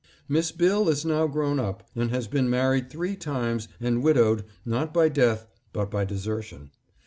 Miss Bill is now grown up, and has been married three times and widowed, not by death but by desertion.